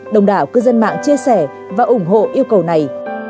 đông đảo cơ dân mạng chia sẻ và ủng hộ yêu cầu này